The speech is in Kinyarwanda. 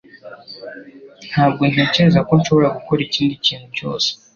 Ntabwo ntekereza ko nshobora gukora ikindi kintu cyose